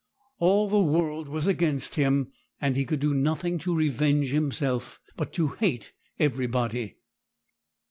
All the world was against him, and he could do nothing to revenge himself, but to hate everybody!